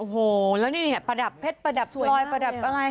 โอ้โหแล้วนี่เนี่ยประดับเพชรประดับพลอยประดับอะไร